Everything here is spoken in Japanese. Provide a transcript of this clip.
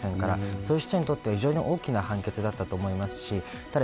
そういう人にとって大きな判決だったと思います。